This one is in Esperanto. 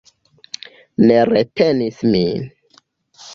Ne retenis min.